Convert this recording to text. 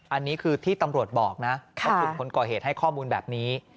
อันนี้คือที่ตำรวจบอกนะว่ากลุ่มคนก่อเหตุให้ข้อมูลแบบนี้